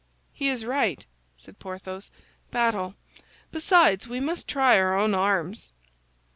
"He is right," said Porthos; "battle. Besides, we must try our own arms."